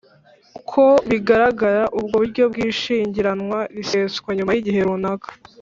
uko bigaragara, ubwo buryo bw’ishyingiranwa riseswa nyuma y’igihe runaka